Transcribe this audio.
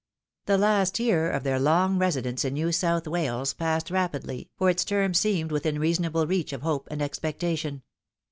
The last year of their long residence in New South Wales passed rapidly, for its term seemed within reasonable reach of hope and expectation.